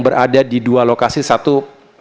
berada di dua lokasi satu